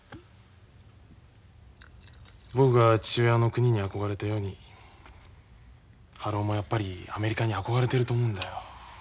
僕が父親の国に憧れたように春男もやっぱりアメリカに憧れてると思うんだよ。